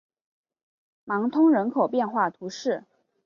芒通人口变化图示